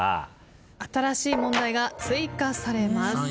新しい問題が追加されます。